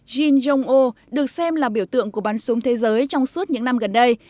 jin jong ho được xem là biểu tượng của bắn súng thế giới trong suốt những năm gần đây